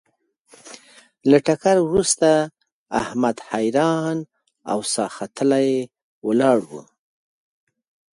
له ټکر ورسته احمد حیران او ساه ختلی ولاړ و.